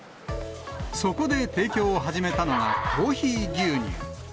そこで提供を始めたのがコーヒー牛乳。